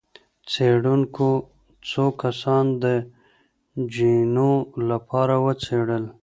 څېړونکو څو کسان د جینونو لپاره وڅېړل.